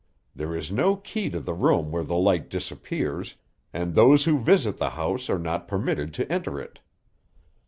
There is no key to the room where the light disappears, and those who visit the house are not permitted to enter it.